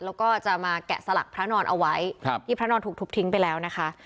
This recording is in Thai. แล้วก็จะมาแกะสลักพระนอนเอาไว้ที่พระนอนถูกทุบทิ้งไปแล้วนะคะ